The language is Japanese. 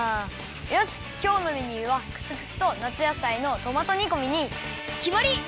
よしきょうのメニューはクスクスと夏野菜のトマト煮こみにきまり！